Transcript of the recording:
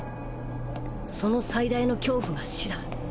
その最大の恐怖が死だ。